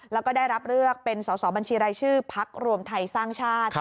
แล้วก็ได้รับเลือกเป็นสอสอบัญชีรายชื่อพักรวมไทยสร้างชาติ